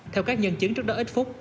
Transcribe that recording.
theo các nhân chứng trước đó ít phút